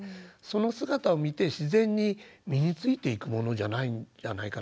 その姿を見て自然に身についていくものじゃないかなと思います。